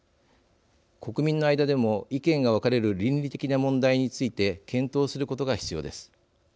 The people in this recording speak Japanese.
国民の間でも意見が分かれる倫理的な問題について検討することが必要です。